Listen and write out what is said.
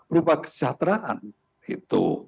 berupa kesejahteraan itu